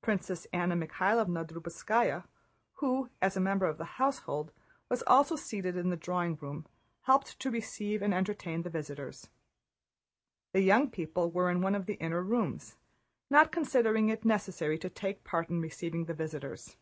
Princess Anna Mikháylovna Drubetskáya, who as a member of the household was also seated in the drawing room, helped to receive and entertain the visitors. The young people were in one of the inner rooms, not considering it necessary to take part in receiving the visitors.